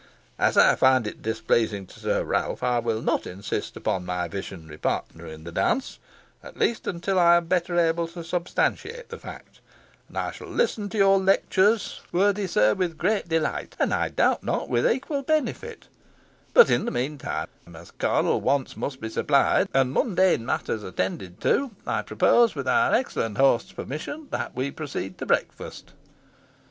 As I find it displeasing to Sir Ralph, I will not insist upon my visionary partner in the dance, at least until I am better able to substantiate the fact; and I shall listen to your lectures, worthy sir, with great delight, and, I doubt not, with equal benefit; but in the meantime, as carnal wants must be supplied, and mundane matters attended to, I propose, with our excellent host's permission, that we proceed to breakfast."